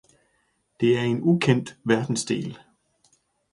Det er en ukendt verdensdel